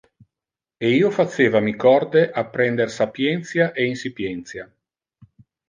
E io faceva mi corde apprender sapientia e insipientia.